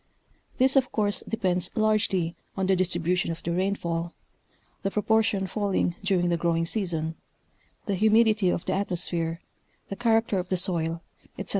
This of course depends largely on the distribution of the rainfall, the proportion falling during the growing season, the humidity of the atmosphere, the character of the soil, ete.